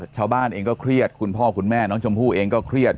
ชาวบ้านเองก็เครียดคุณพ่อคุณแม่น้องชมพู่เองก็เครียด